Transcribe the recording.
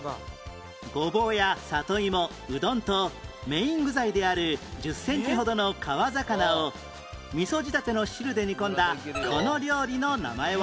ゴボウや里芋うどんとメイン具材である１０センチほどの川魚を味噌仕立ての汁で煮込んだこの料理の名前は？